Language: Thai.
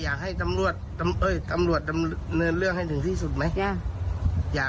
อยากไปทั้งนานนานเลยขั้งลืมไปเลยขั้งลืมไปเลยใช่ไหมครับ